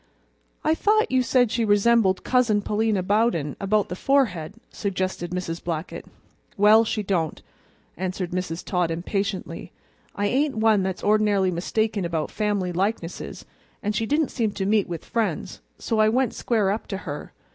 "I thought you said she resembled Cousin Pa'lina Bowden about the forehead," suggested Mrs. Blackett. "Well, she don't," answered Mrs. Todd impatiently. "I ain't one that's ord'narily mistaken about family likenesses, and she didn't seem to meet with friends, so I went square up to her.